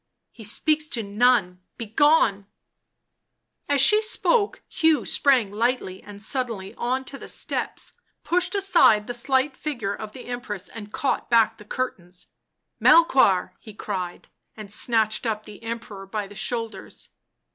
" He speaks to none. Begone !" As she spoke Hugh sprang lightly and suddenly on to the steps, pushed aside the slight figure of the Empress and caught back the curtains. 11 Melchoir !" he cried, and snatched up the Emperor by the shoulders.